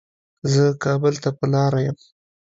زه کابل ته په لاره يم